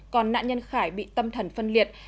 còn nạn nhân khải bị tâm thần phân liệt